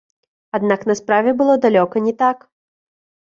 Аднак на справе было далёка не так.